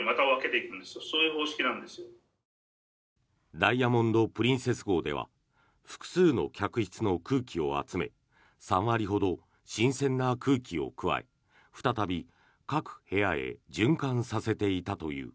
「ダイヤモンド・プリンセス号」では複数の客室の空気を集め３割ほど新鮮な空気を加え再び各部屋へ循環させていたという。